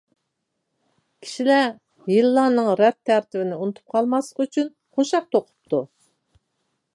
كىشىلەر يىللارنىڭ رەت تەرتىپىنى ئۇنتۇپ قالماسلىق ئۈچۈن قوشاق توقۇپتۇ.